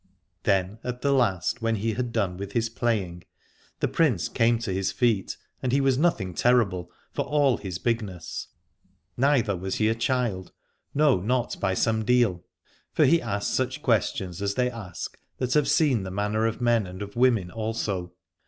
Then at the last, when he had done with his playing, the Prince came to his feet, and he was nothing terrible, for all his bigness. Neither was he a child, no, not by some deal : ii6 Aladore for he asked such questions as they ask that have seen the manner of men, and of women also.